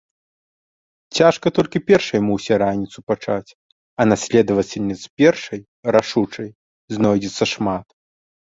Цяжка толькі першай мусе раніцу пачаць, а наследавальніц першай, рашучай, знойдзецца шмат.